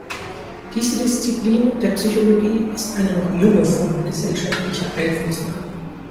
Diese Disziplin der Psychologie ist eine noch junge Form gesellschaftlicher Einflussnahme.